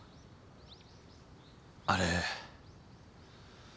あれ。